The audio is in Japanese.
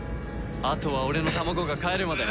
あとは俺の卵がかえるまで。